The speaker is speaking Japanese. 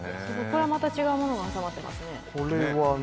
これはまた違うものが挟まっていますね。